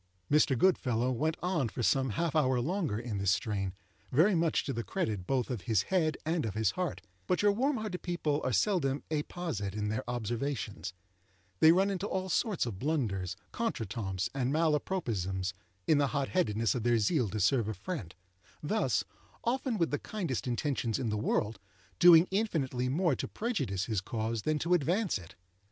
Mr. Goodfellow went on for some half hour longer in this strain, very much to the credit both of his head and of his heart; but your warm hearted people are seldom apposite in their observations—they run into all sorts of blunders, contre temps and mal apropos isms, in the hot headedness of their zeal to serve a friend—thus, often with the kindest intentions in the world, doing infinitely more to prejudice his cause than to advance it.